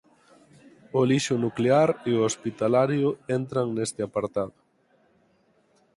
O lixo nuclear e o hospitalario entran neste apartado.